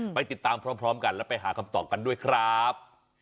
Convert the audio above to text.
ไปติดตามพร้อมกันแล้วไปหาคำตอบกันด้วยครับ